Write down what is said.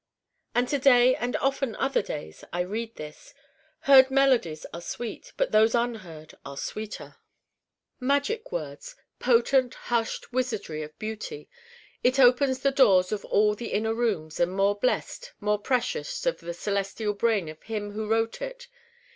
And to day and often other days I read this 'Heard melodies are sweet, but those unheard are sweeter' magic words: potent hushed wizardry of beauty. It opens the doors of all the Inner Rooms and more blest, more precious, of the celestial brain of him who wrote it.